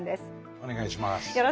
お願いします。